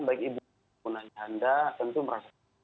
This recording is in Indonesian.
baik ibu dan anak anda tentu merasa